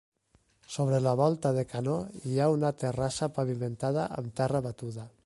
Sobre la volta de canó hi ha una terrassa pavimentada amb terra batuda.